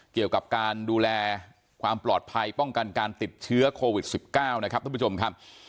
เกี่ยวกับการดูแลความปลอดภัยป้องกันการติดเชื้อโควิด๑๙นะครับท่านผู้ชมครับ